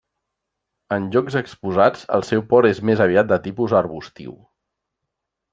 En llocs exposats el seu port és més aviat de tipus arbustiu.